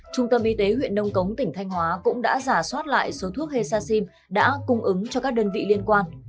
trung tâm y tế huyện nông cống tỉnh thanh hóa cũng đã giả soát lại số thuốc he saxim đã cung ứng cho các đơn vị liên quan